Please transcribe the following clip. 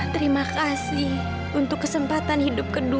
terima kasih untuk kesempatan hidup kedua